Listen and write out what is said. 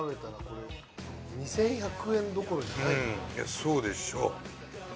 うんいやそうでしょう。